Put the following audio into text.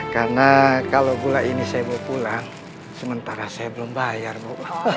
karena kalau bulan ini saya mau pulang sementara saya belum bayar bu